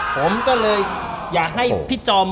ผมก็เลยอยากให้พี่จอม